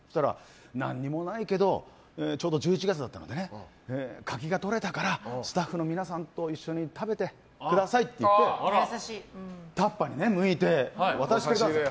何もないけどちょうど１１月だったので柿が取れたからスタッフの皆さんと一緒に食べてくださいって言ってむいて、タッパーに入れて渡してくれたんです。